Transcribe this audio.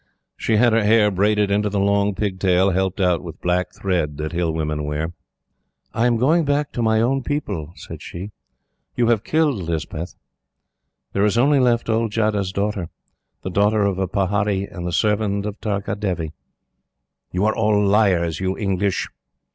She had her hair braided into the long pig tail, helped out with black thread, that Hill women wear. "I am going back to my own people," said she. "You have killed Lispeth. There is only left old Jadeh's daughter the daughter of a pahari and the servant of Tarka Devi. You are all liars, you English."